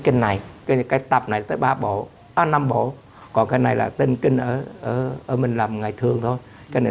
kênh này cái tập này tới ba bộ năm bộ còn cái này là tên kinh ở ở mình làm ngày thường thôi cái này